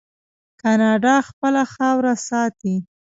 کاناډا خپله خاوره ساتي.